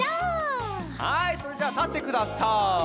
はいそれじゃあたってください。